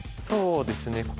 そうですね。